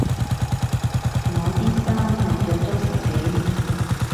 我啲衫係着足十幾年